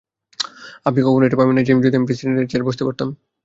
আপনি কখনও এটা ভাবেন নাই যে যদি আমি প্রেসিডেন্ট এর চেয়ারে বসতে পারতাম?